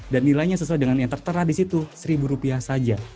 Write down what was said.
dan nilainya sesuai dengan yang tertera di situ seribu rupiah saja